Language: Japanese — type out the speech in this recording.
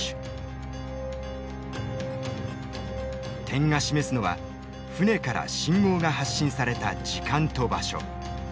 点が示すのは船から信号が発信された時間と場所。